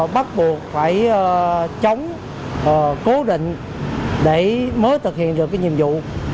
bắt buộc phải chống cố định để mới thực hiện được cái nhiệm vụ